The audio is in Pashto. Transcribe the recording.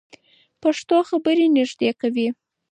پښتو خبرې نږدې کوي.